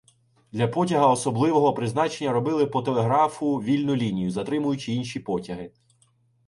Для потяга особливого призначення робили по телеграфу вільну лінію, затримуючи інші потяги.